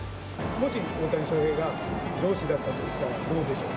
もし大谷翔平が上司だったとしたらどうでしょう？